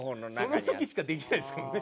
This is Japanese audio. その時しかできないですもんね。